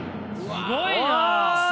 すごいな！